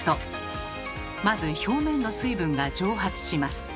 まず表面の水分が蒸発します。